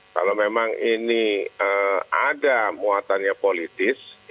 kalau memang ini ada muatannya politis